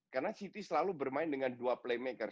karena city selalu bermain dengan dua playmaker